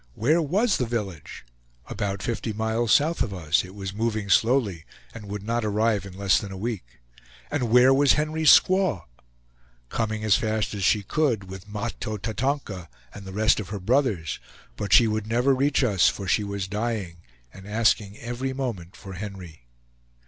Where was the village? about fifty miles south of us; it was moving slowly and would not arrive in less than a week; and where was Henry's squaw? coming as fast as she could with Mahto Tatonka, and the rest of her brothers, but she would never reach us, for she was dying, and asking every moment for Henry.